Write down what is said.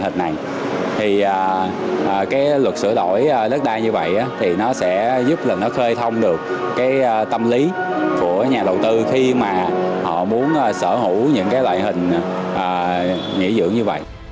thì luật này thì cái luật sửa đổi đất đai như vậy thì nó sẽ giúp là nó khơi thông được cái tâm lý của nhà đầu tư khi mà họ muốn sở hữu những cái loại hình nghỉ dưỡng như vậy